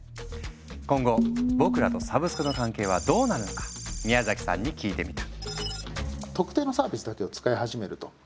今後僕らとサブスクの関係はどうなるのか宮崎さんに聞いてみた。